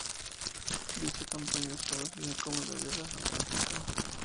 Dicha campaña es conocida como la Guerra Fantástica.